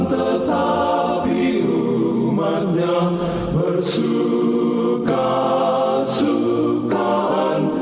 tetapi umatnya bersuka sukaan